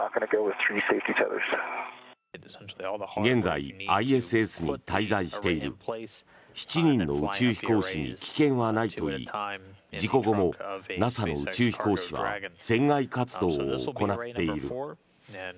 現在、ＩＳＳに滞在している７人の宇宙飛行士に危険はないといい事故後もＮＡＳＡの宇宙飛行士は船外活動を行っている。